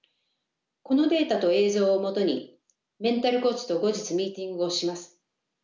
このデータと映像をもとにメンタルコーチと後日ミーティングをします。